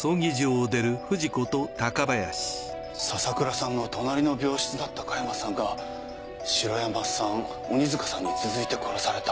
笹倉さんの隣の病室だった加山さんが城山さん鬼塚さんに続いて殺された。